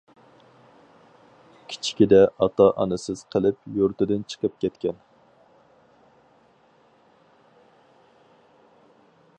كىچىكىدە ئاتا-ئانىسىز قېلىپ يۇرتىدىن چىقىپ كەتكەن.